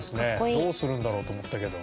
どうするんだろうと思ったけど。